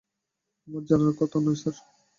আমার জানার কথা নয় স্যার।